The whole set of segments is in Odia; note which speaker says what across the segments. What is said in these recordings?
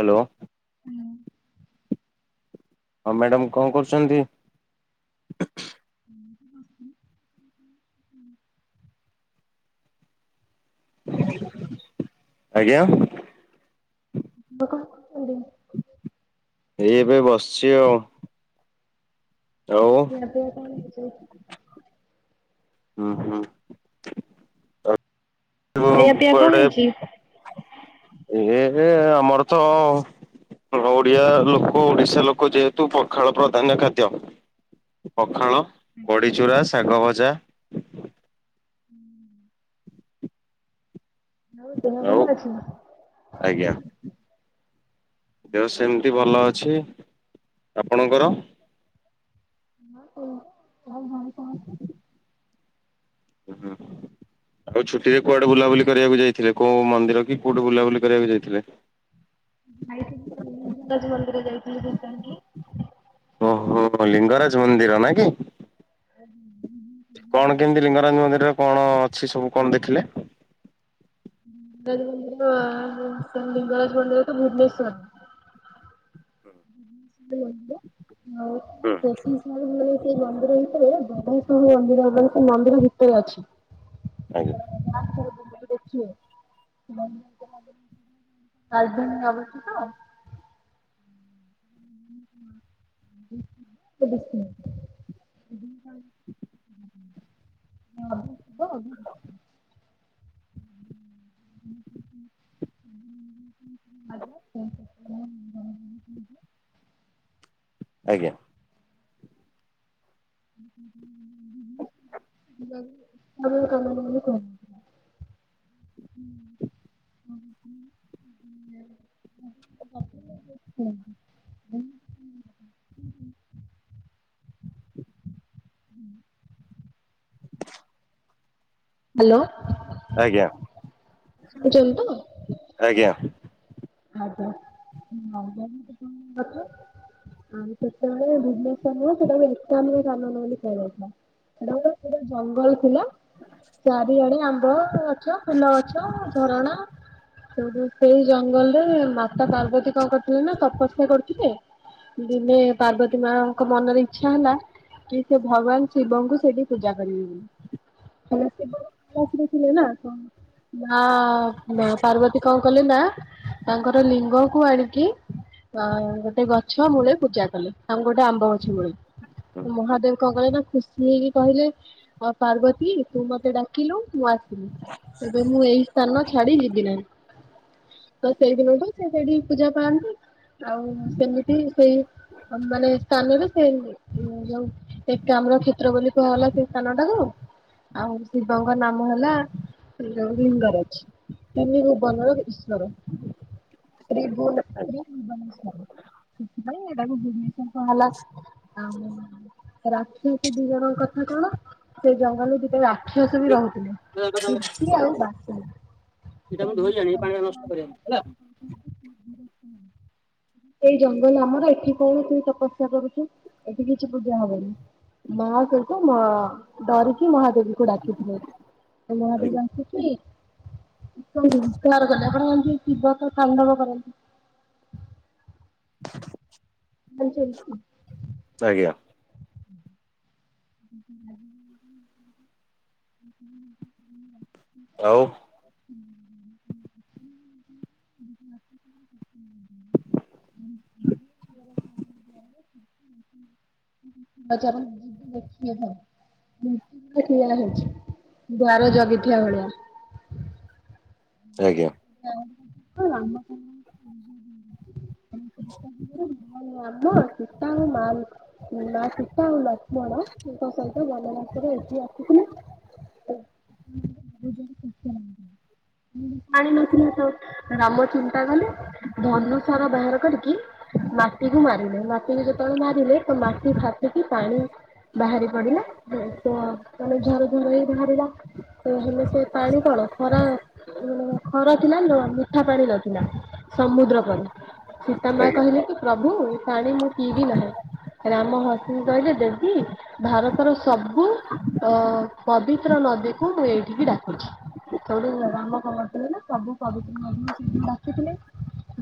Speaker 1: ହାଲୋ।
Speaker 2: ହୁଁ।
Speaker 1: ଆଉ ମାଡାମ୍ କଣ କରୁଚନ୍ତି?
Speaker 2: ଏମିତି ବସିଥିଲି ଣ [inaudible]
Speaker 1: ଆଜ୍ଞା।
Speaker 2: ଆପଣ କଣ କରୁଛନ୍ତି?
Speaker 1: ଏଇ ଏବେ ବସଚି ଆଉ। ଆଉ
Speaker 2: ଖିଆ ପିଆ କଣ ହେଇଛି?
Speaker 1: ଉଁ ହୁଁ
Speaker 2: ଦିଆ
Speaker 1: ହୁଁ
Speaker 2: ପିଆ କଣ ହେଇଚି?
Speaker 1: ଏ ଏ ର ଅ ଆମର ତ ଓଡିଆ ଲୋକ ଓଡିଶା ଲୋକ ଯେହେତୁ ପଖାଳ ପ୍ରଧାନ୍ୟ ଖାଦ୍ୟ। ପଖାଳ, ବଡ଼ିଚୁରା, ଶାଗ ଭଜା।
Speaker 2: [inaudible] ଆଉ ଦେହ
Speaker 1: ଆଉ
Speaker 2: ଭଲ ଅଛି।
Speaker 1: ଆଜ୍ଞା। ଦେହ ସେମିତି ଭଲ ଅଛି ଆପଣଙ୍କର।
Speaker 2: [unintelligible] ଘରେ ସମସ୍ତେ
Speaker 1: [inaudible] ଆଉ ଛୁଟିରେ କୁଆଡେ ବୁଲାବୁଲି କରିବାକୁ ଯାଇଥିଲେ କୋଉ ମନ୍ଦିର କି କୋଉଠେ ବୁଲାବୁଲି କରିବାକୁ ଯାଇଥିଲେ?
Speaker 2: ଯାଇଥିଲି ଲିଙ୍ଗରାଜ ମନ୍ଦିର ଯାଇଥିଲି [unintelligible]
Speaker 1: ଓହୋ ଲିଙ୍ଗରାଜ ମନ୍ଦିର ନାଁ କି।
Speaker 2: ହୁଁ ହୁଁ।
Speaker 1: କଣ କେମିତି ଲିଙ୍ଗରାଜ ମନ୍ଦିରରେ କଣ ଅଛି ସବୁ କଣ ଦେଖିଲେ?
Speaker 2: [inaudible] ଲିଙ୍ଗରାଜ ମନ୍ଦିର ତ ଭୁବନେଶ୍ୱର। ହ [inaudible]
Speaker 1: ହୁଁ
Speaker 2: [inaudible] ଭଳି ସେ ମନ୍ଦିର ଭିତରେ ବଢ ସ ମନ୍ଦିର ମାନେ ସେ ମନ୍ଦିର ଭିତରେ ଅଛି।
Speaker 1: ଆଜ୍ଞା।
Speaker 2: [inaudible] ଦେଖିବେ ମନ ରାଜଧାନୀରେ ଅବସ୍ଥିତ। [inaudible] [inaudible] [inaudible] [inaudible]
Speaker 1: ଆଜ୍ଞା।
Speaker 2: [inaudible] କମ କାମ ବୋଲି କୁହନ୍ତି। ହ୍ୟାଲୋ।
Speaker 1: ଆଜ୍ଞା
Speaker 2: ତ?
Speaker 1: ଆଜ୍ଞା।
Speaker 2: ଆଜ୍ଞା ତଁଣଛ [inaudible] କଣ କରୁଛ? ଆମ ସେତେବେଳେ ଭୁବନେଶ୍ୱର ନୁହଁ ସେଟା ଏକାମ୍ରି କାନନ ବୋଲି କୁହା ଯାଇଥିଲା। ସେଟା ଗୋଟେ ପୁରା ଜଙ୍ଗଲ ଥିଲା। ଚାରି ଆଡ଼େ ଆମ୍ବ ଅଛ ଫୁଲ ଅଛ ଝରଣା ସେଉଠୁ ସେଇ ଜଙ୍ଗଲରେ ମାତା ପାର୍ବତୀ କଣ କରିଥିଲେ ନା ତପସ୍ୟା କରୁଥିଲେ। ଦିନେ ପାର୍ବତୀ ମାଙ୍କ ମନରେ ଇଚ୍ଛା ହେଲା କି ସେ ଭଗବାନ ଶିବଙ୍କୁ ସେଠି ପୂଜା କରିବେ ବୋଲି। କାହିଁକିନା ଶିବ କୈଳାସରେ ଥିଲେ ନା କଣ ନା ପାର୍ବତୀ କଣ କଲେ ନା ତାଙ୍କର ଲିଙ୍ଗ କୁ ଆଣିକି ଆ ଗୋଟେ ଗଛ ମୂଳେ ପୂଜା କଲେ ଆଉ ଗୋଟେ ଆମ୍ବ ଗଛ ମୂଳେ। ମହାଦେବ କଣ କଲେ ନା ଖୁସି ହେଇକି କହିଲେ ମା ପାର୍ବତୀ ତୁ ମତେ ଡାକିଲୁ ମୁଁ ଆସିଲି ଏବେ ମୁଁ ଏଇ ସ୍ଥାନ ଛାଡି ଯିବି ନାହିଁ। ତ ସେଇଦିନଠୁ ସେ ସେଠି ପୂଜା ପାଆନ୍ତି ଆଉ ସେମିତି ସେଇ ମାନେ ସ୍ଥାନରେ ସେ ମ ଯଉ ଏକାମ୍ର କ୍ଷେତ୍ର ବୋଲି କୁହା ଗଲା ସେଇ ସ୍ଥାନ ଟାକୁ। ଆଉ ଶିବଙ୍କ ନାମ ହେଲା ଯୋଉ ଲିଙ୍ଗରାଜ। ତିନି ଭୁବନର ଇ ଈଶ୍ୱର। ତ୍ରି ଭୁ ତ୍ରିଭୁବନ ସ୍ୱାମୀ ସେଥି ପାଇଁ ଏଟାକୁ ଭୁବନେଶ୍ୱର କୁହାଗଲା ଆଉ ରାକ୍ଷାସି ଦି ଜଣଙ୍କ କଥା କଣ ସେ ଜଙ୍ଗଲ ରୁ ଦି ସେ ରାକ୍ଷସ ବି
Speaker 1: ଆଜ୍ଞା।
Speaker 2: ରହୁଥିଲେ କୀର୍ତ୍ତି ଆଉ ବାସି।
Speaker 1: ସେଇଟା ମୁ ଧୋଇଆଣି ପାଣି ଟା ନଷ୍ଟ କରିବାନି ହେଲା।
Speaker 2: ଏଇ ଜଙ୍ଗଲ ଆମର ଏଠି କଣ ତୁ ତପସ୍ୟା କରୁଚୁ? ଏଠି କିଛି ପୂଜା ହବନି ମା ସହିତ ମା ଡରିକି ମହାଦେବୀକୁ ଡାକିଥିଲେ
Speaker 1: ଆଜ୍ଞା
Speaker 2: ମହାଦେବ ଆସକି ଶିବ ହୁଙ୍କାର କଲେ ଆପଣ ମାନେ ଶିବ ତ ତାଣ୍ଡବ କରନ୍ତି। ଜାଣିଚୁ।
Speaker 1: ଆଜ୍ଞା।
Speaker 2: [inaudible]
Speaker 1: ଆଉ।
Speaker 2: [inaudible] [inaudible] ଆଚ୍ଛା ମୁଁ ଯିବି ଦେଖିବି। ଓହୋ ଠିଆ ହେଇଚି ଦ୍ୱାର ଜଗିଥିବା ଭଳିଆ।
Speaker 1: ଆଜ୍ଞା।
Speaker 2: [inaudible]
Speaker 1: [inaudible]
Speaker 2: ହଁଲୋ ରାମ ସୀତାଙ୍କ ମାଲ୍ ମାଆ ସୀତା ଆଉ ଲକ୍ଷ୍ମଣଙ୍କ ସହିତ ବନବାସରେ ଏଇଠିକି ଆସିଥିଲେ। [inaudible] ପାଣି ନଥିଲେ ତ ରାମ ଚିନ୍ତା କଲେ ଧନୁ ସର ବାହାର କରିକି ମାଟିକୁୁ ମାରିଲେ ମାଟିକୁ ଯେତେବେଳେ ମାରିଲେ ତ ମାଟି ଫାଟିକି ପାଣି ବାହାରି ପଡିଲା ଯେ ତ ମାନେ ଝର ଝର ହେଇକି ବାହାରିଲା ତ ହେଲେ ସ୍ ସେ ପାଣି କଣ ଖରା ଉଁ ଖରା ଥିଲା ନ ମିଠା ପାଣି ନଥିଲା ସମୁଦ୍ର ପାଣି ସୀତାମାଆ
Speaker 1: ଆଜ୍ଞା
Speaker 2: କହିଲେ କି ପ୍ରଭୁ ଏ ପାଣି ମୁଁ ପିଇବି ନାହିଁ ରାମ ହସିକି କହିଲେ ଦେବୀ ଭାର ତର ସବୁ ଅ ପବିତ୍ର ନଦୀକୁ ମୁଁ ଏଇଠିକି ଡାକୁଛିି ସେଉଠୁ ରାମ କଣ କଣ ହେଲା ସବୁ ପବିତ୍ର ନଦୀକୁ ସେଇଠିକି ଡାକିଥିଲେ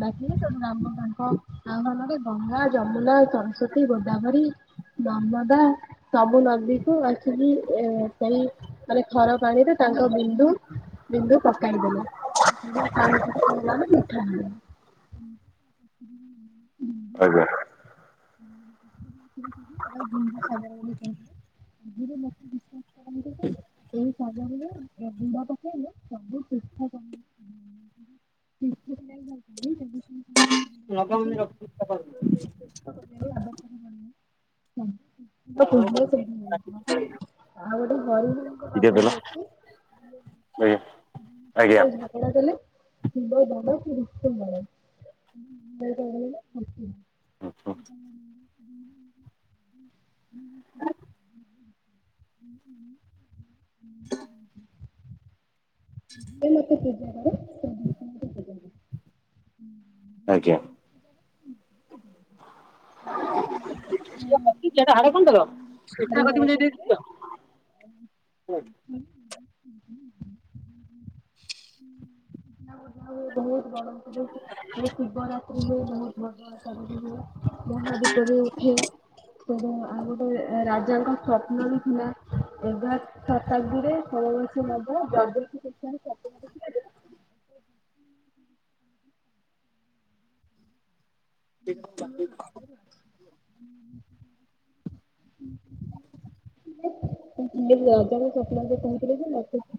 Speaker 2: ଡାକିଲେ ସେଠୁ ରାମ ତାଙ୍କ ଆଉ [unintelligible] ଗଙ୍ଗା, ଯମୁନା, ସରସ୍ୱତୀ, ଗୋଦାବରୀ ନର୍ମଦା ସବୁ ନଦୀକୁ ଆସିକି ଏ ସେହି ମାନେ ଖର ପାଣିରେ ତାଙ୍କ ବିନ୍ଦୁ ବିନ୍ଦୁ ପକାଇଦେଲେ। ଆ ସେଠୁ ପାଣି ସେଠି ପଇଲା ନା ମିଠା ଲାଗେ।
Speaker 1: ଆଜ୍ଞା।
Speaker 2: [unintelligible] ଏଟାକୁ ବିନ୍ଦୁ ସାଗର ବୋଲି କୁହାଯାଏ। ଆଜିର ଲୋକ ବିଶ୍ୱାସ କରନ୍ତି ଯେ ଏଇ ସାଗରରେ ବୁଡ ପକେଇଲେ ବୋହୁତ ପିଠ [unintelligible] ସେଇ ସାଗରରେ ଗୁଡ଼
Speaker 1: ଲଗାଅନି
Speaker 2: ପକଉଛନ୍ତି
Speaker 1: ରଖିକି କଣ
Speaker 2: ଆଉ
Speaker 1: [unintelligible]
Speaker 2: ତ ଯାହା ଖୋଜିଲେ ସେଠି ମିଳୁଯିବ ଆଉ ଗୋଟେ ଘରୁକୁ
Speaker 1: ଟିକେ
Speaker 2: ଦବାକୁ
Speaker 1: ଦେଲ
Speaker 2: ବି ଅଛି
Speaker 1: ଆଜ୍ଞା ଆଜ୍ଞା
Speaker 2: [inaudible] ଏଟା ଦେଲେ [unintelligible] [inaudible] ସେରା ହେଲେ [inaudible] [inaudible] ପୂଜାକରେ [unintelligible]
Speaker 1: ଆଜ୍ଞା। ଏ ପିଲାଟା ହାଡେ କଣଟେ ଦବ
Speaker 2: ହରିହର କହିଲେ
Speaker 1: [unintelligible]
Speaker 2: ବହୁତ ବଡ ଶିବ [inaudible] ମହାଦୀପରେ ଉଠେ ତବ ଆଉ ଗୋଟେ ରାଜାଙ୍କ ସ୍ୱପ୍ନ ବି ଥିଲା ଏଗାର ଶତାବ୍ଦୀରେ ହୋଉଚି ବୋଧେ ଯଜାତିକେଶରୀ [unintelligible] [inaudible] [inaudible] ରଜାଙ୍କୁ ସ୍ବପ୍ନାଦେଶ ହେଇଥିଲା ଯେ ମତେ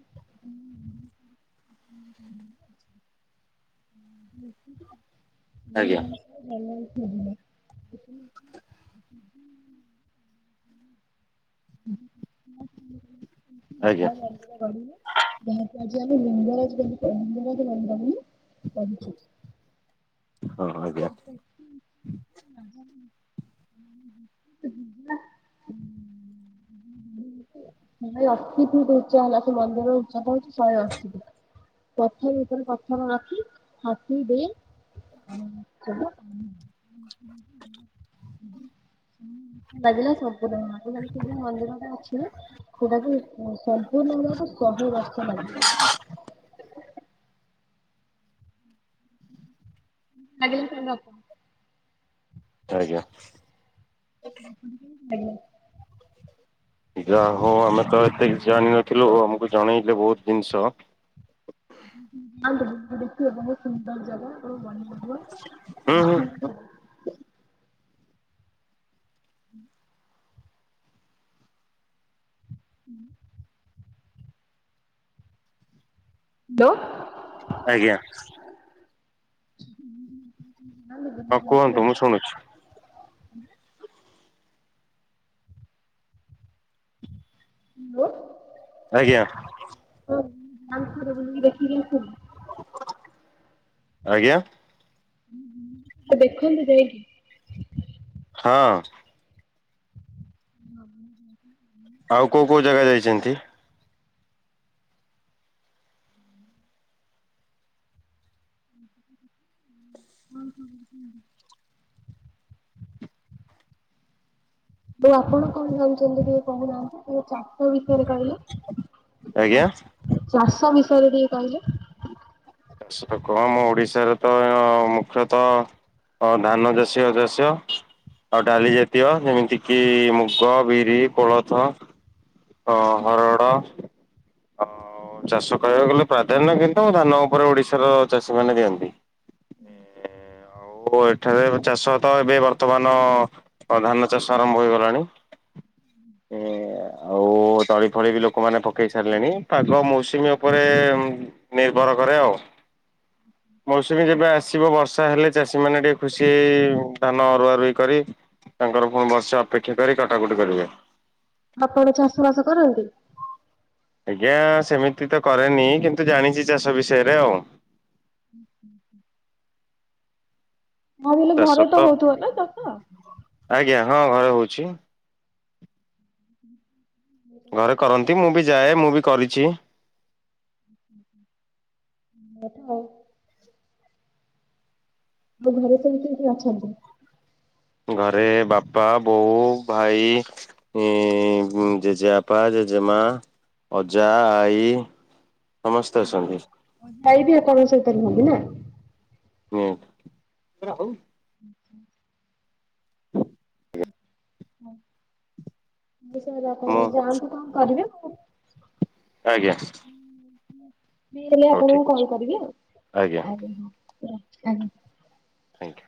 Speaker 2: [inaudible]
Speaker 1: ଆଜ୍ଞା
Speaker 2: ଜାନୁଆରୀ ମାସରେ ଜାନୁଆରୀ ଫେବୁଆରୀ [inaudible]
Speaker 1: ଆଜ୍ଞା
Speaker 2: [inaudible] ଗଢିଲେ ଯାହାକୁ ଆଜି ଆମେ ଲିଙ୍ଗରାଜ ବୋଲି କୋହ ଲିଙ୍ଗରାଜ ମନ୍ଦିର ବୋଲି କୋହୁଚୁ।
Speaker 1: ହଁ ଆଜ୍ଞା
Speaker 2: ହଁ ଦେଖିଅଛି [inaudible] [inaudible] ଗୁଗୁଲା [inaudible] ଶହେ ଅଶୀ ଫୁଟ୍ ଉଚ୍ଚା ହେଲା ସେ ମନ୍ଦିରର ଉଚ୍ଚତା ହୋଉଚି ଶହେ ଅଶୀ ଫୁଟ୍। ପଥର ଭିତରେ ପଥର ରଖି ହାତୀ ଦେଇ [inaudible] ଉଁ ଲାଗିଲା ସବୁଦିନ ଆଜିକାଲି ପିଲା ମନ୍ଦିରଟା ଅଛି ଯେ ଖୋବାକୁ ସମ୍ପୂର୍ଣ ହବାକୁ ତ ଶହେ ବର୍ଷ ଲାଗି ଆଗିଲି ଫ୍ରେଣ୍ଡ ଅଛ।
Speaker 1: ଆଜ୍ଞା।
Speaker 2: ତମକୁ ପୁରୀ କେମିତି ଲାଗିଲା?
Speaker 1: ଯା ହୋଉ ଆମେ ତ ଏତେ କିଛି ଜାଣିନଥିଲୁ ଆମକୁ ଜଣେଇଲେ ବୋହୁତ ଜିନିଷ।
Speaker 2: [unintelligible] ଦେଖିବା ବହୁତ ସୁନ୍ଦର ଜାଗା ପୁରା ବଢିଆ ଲାଗିବ।
Speaker 1: ହୁଁ ହୁଁ
Speaker 2: [unintelligible] ହୁଁ। ହୁଁ। ଦୋ
Speaker 1: ଆଜ୍ଞା। ହଁ କୁହନ୍ତୁ ମୁଁ ଶୁଣୁଚି।
Speaker 2: ହାଲୋ।
Speaker 1: ଆଜ୍ଞା।
Speaker 2: ହର ଆଉ ଥରେ ବୁଲିକି ଦେଖିକି ଆସୁ ଭାରି
Speaker 1: ଆଜ୍ଞା?
Speaker 2: ତ ଦେଖନ୍ତୁ ଯାଇକି
Speaker 1: ହଁ।
Speaker 2: [unintelligible]
Speaker 1: ଆଉ କୋଉ କୋଉ ଜାଗା ଯାଇଚନ୍ତି?
Speaker 2: [inaudible] ଯୋଉ ଆପଣ କଣ ନଉଚନ୍ତି ଟିକେ କହୁନାହାନ୍ତି ମୋ ଚା ସେ ବିଷୟରେ କହିଲ ଚା
Speaker 1: ଆଜ୍ଞା?
Speaker 2: ଚାଷ ବିଷୟରେ ଟିକେ କହିଲେ?
Speaker 1: ଚାଷ ତ ଗହମ ଓଡିଶାର ତ ମୁଖ୍ୟତଃ ହଁ ଧାନ ଦେଶୀୟ [unintelligible] ଆଉ ଡାଲି ଜାତୀୟ ଯେମିତିକିି ମୁଗ ବିରି କୋଳଥ। ହଁ ହରଡ଼ ଅ ଚାଷ କରିବାକୁ ଗଲେ ପ୍ରାଧାନ୍ୟ କିନ୍ତୁ ଧାନ ଉପରେ ଓଡିଶାର ଚାଷୀ ମାନେ ଦିଅନ୍ତି।
Speaker 2: [inaudible]
Speaker 1: ଓ ଏଠାରେ ଚାଷ ତ ଏବେ ବର୍ତ୍ତମାନ ହଁ ଧାନ ଚାଷ ଆରମ୍ଭ ହୋଇଗଲାଣି। ଏଁ ଆଉ ତଳି ଫଳି ବି ଲୋକମାନେ ପକେଇ ସାରିଲେଣି। ପାଗ ମୌସୁମୀ ଉପରେ ନିର୍ଭର କରେ ଆଉ। ମୌସୁମୀ ଯେବେ ଆସିବ ବର୍ଷା ହେଲେ ଚାଷୀ ମାନେ ଟିକେ ଖୁସି ହେଇ ଧାନ ରୁଆରୁଇ କରି ତାଙ୍କର ପୁଣି ବର୍ଷେ ଅପେକ୍ଷା କରି କଟାକଟି କରିବେ।
Speaker 2: ଆପଣ ଚାଷ ବାସ କରନ୍ତି?
Speaker 1: ଆଜ୍ଞା ସେମିତି ତ କରେନି କିନ୍ତୁ ଜାଣିଚି ଚାଷ ବିଷୟରେ ଆଉ।
Speaker 2: [inaudible] ଆଉ ହେଲେ ଘରେ ତ ହଉଥିବ ନା ତ
Speaker 1: ଆଜ୍ଞା ହଁ ଘରେ ହୋଉଚି ଘରେ କରନ୍ତି ମୁଁ ବି ଯାଏ ମୁଁ ବି କରିଚି।
Speaker 2: ଆଉ ମ ଘରେ ସବୁ କିଏ କିଏ ଅଛନ୍ତି?
Speaker 1: ଘରେ ବାପା ବୋଉ ଭାଇ ହୁଁ ଗୁଁ ଜେଜେପା ଜେଜେମା ଅଜା ଆଈ। ସମସ୍ତେ ଅଛନ୍ତି
Speaker 2: ଆଈ ବି [unintelligible] ତ ସହିତ ରୁହନ୍ତି ନା?
Speaker 1: ହିଁ ଆଉ।
Speaker 2: ଆଚ୍ଛା। ହଁ ବିଶେ କରି ଆପଣ ମାନେ ଯାଆନ୍ତି କଣ କରିବେ।
Speaker 1: ଆଜ୍ଞା।
Speaker 2: ଫ୍ରି ହେଲେ
Speaker 1: ହଉ ଠିକ
Speaker 2: ଆପଣଙ୍କୁ
Speaker 1: ଅଛି
Speaker 2: କଲ କରିବି ଆଉ ଆଜ୍ଞା ହଁ ହେଲା ଆଜ୍ଞା।
Speaker 1: ଆଜ୍ଞା।